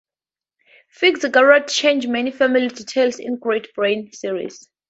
Fitzgerald changed many family details in the Great Brain series.